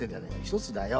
一つだよ！